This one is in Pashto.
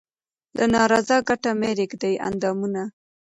له نا رضا کټه مې رېږدي اندامونه